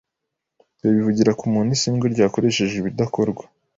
babivugira ku muntu isindwe ryakoresheje ibidakorwa